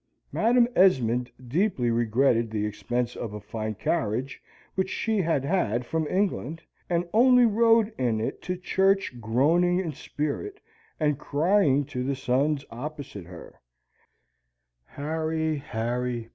Madam Esmond deeply regretted the expense of a fine carriage which she had had from England, and only rode in it to church groaning in spirit, and crying to the sons opposite her, "Harry, Harry!